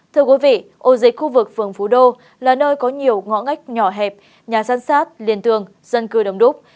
thưa quý vị ô dịch khu vực phường phú đô là nơi có nhiều ngõ ngách nhỏ hẹp nhà sân sát liền tường dân cư đồng đúc